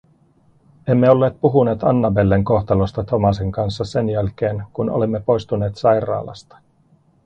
Emme olleet puhuneet Annabellen kohtalosta Thomasin kanssa sen jälkeen, kun olimme poistuneet sairaalasta.